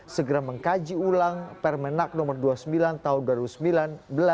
segera mengkaji ulang permenak nomor dua puluh sembilan tahun dua ribu sembilan belas